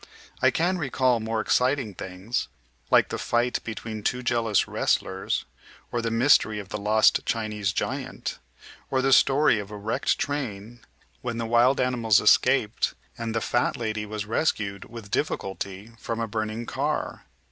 I can recall more exciting things, like the fight between two jealous wrestlers, or the mystery of the lost Chinese giant, or the story of a wrecked train, when the wild animals escaped and the fat lady was rescued with difficulty from a burning car.